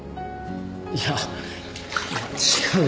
いや違うよ。